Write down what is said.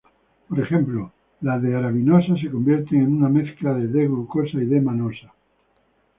Por ejemplo, la D-arabinosa se convierte en una mezcla de D-glucosa y D-manosa.